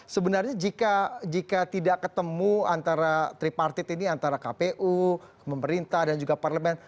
sebenarnya jika tidak ketemu antara tripartit ini antara kpu pemerintah dan juga parlemen